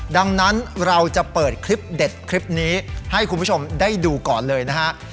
ดังนั้นเราจะเปิดคลิปเด็ดคลิปนี้ให้คุณผู้ชมได้ดูก่อนเลยนะฮะ